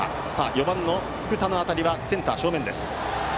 ４番、福田の当たりはセンター正面でした。